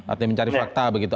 artinya mencari fakta begitu